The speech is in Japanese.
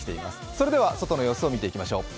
それでは外の様子を見ていきましょう。